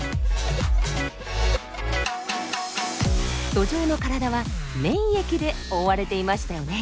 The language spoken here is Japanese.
ドジョウの体は粘液で覆われていましたよね？